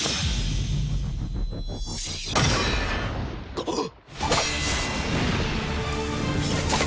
あっ！？